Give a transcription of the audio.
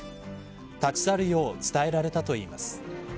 立ち去るよう伝えられたといいます。